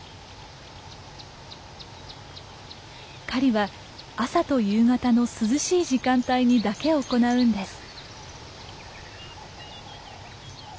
狩りは朝と夕方の涼しい時間帯にだけ行うんです。